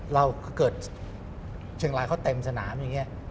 เราเกิดเชียงรายเขาเต็มสนามอย่างนี้